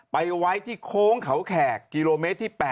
ไว้ที่โค้งเขาแขกกิโลเมตรที่๘